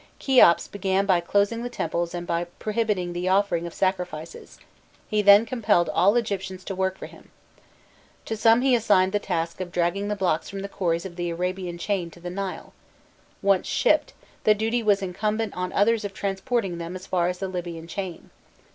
Kheops began by closing the temples and by prohibiting the offering of sacrifices: he then compelled all the Egyptians to work for him. To some he assigned the task of dragging the blocks from the quarries of the Arabian chain to the Nile: once shipped, the duty was incumbent on others of transporting them as far as the Libyan chain.